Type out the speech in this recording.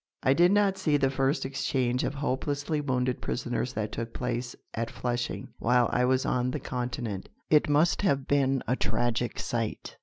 I did not see the first exchange of hopelessly wounded prisoners that took place at Flushing, while I was on the Continent. It must have been a tragic sight.